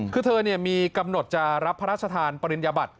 คือเธอมีกำหนดจะรับพระราชทานปริญญบัติ